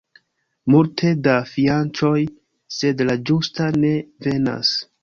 Multe da fianĉoj, sed la ĝusta ne venas.